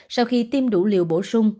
sau khi tiêm đủ liều bổ sung